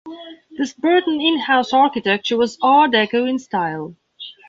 This Burton in-house architecture was Art Deco in style.